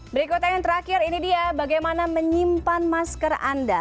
berikutnya yang terakhir ini dia bagaimana menyimpan masker anda